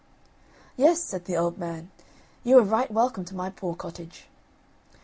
"Yes," said the old man; "you are right welcome to my poor cottage."